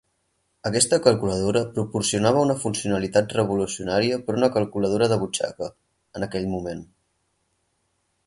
Aquesta calculadora proporcionava una funcionalitat revolucionaria per a una calculadora de butxaca, en aquell moment.